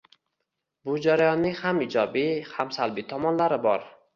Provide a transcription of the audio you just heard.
Bu jarayonning ham ijobiy, ham salbiy tomonlari bor.